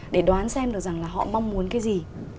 để đoán xem được rằng là họ mong muốn cái gì